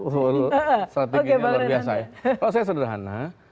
kalau saya sederhana